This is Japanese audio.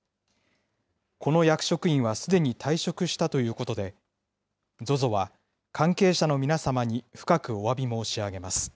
この役職員はすでに退職したということで、ＺＯＺＯは関係者の皆様に深くおわび申し上げます。